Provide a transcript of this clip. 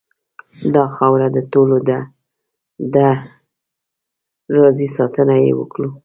داخاوره دټولو ډ ه ده راځئ ساتنه یې وکړو .